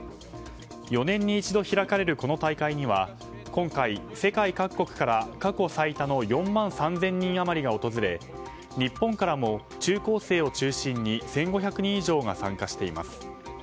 ４年に一度開かれるこの大会には今回、世界各国から過去最多の４万３０００人余りが訪れ日本からも中高生を中心に１５００人以上が参加しています。